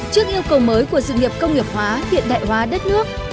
trước yêu cầu mới của sự nghiệp công nghiệp hóa hiện đại hóa đất nước